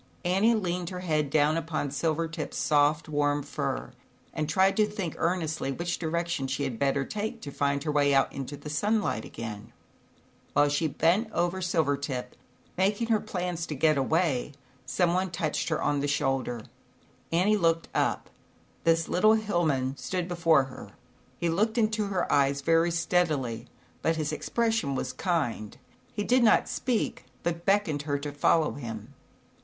Annie leaned her head down upon Silvertip's soft warm fur, and tried to think earnestly which direction she had better take to find her way sunlight again. 120 ZAUBERLINDA, THE WISE WITCH. While she bent over Silvertip, making her plans to get away, some one touched her on the shoulder. Annie looked up. The Little Hill Man stood before her. He looked into her eyes very steadily, but his expression was kind. He did not speak, but beckoned her to fol low him.